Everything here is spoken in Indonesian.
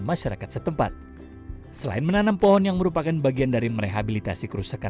masyarakat setempat selain menanam pohon yang merupakan bagian dari merehabilitasi kerusakan